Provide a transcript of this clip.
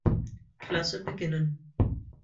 Klasse beginnen.